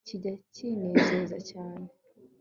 kijya kinezeza cyane